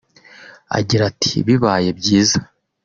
Agira ati “Bibaye byiza